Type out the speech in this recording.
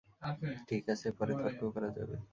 ঠিক আছে, পরে তর্ক করা যাবে।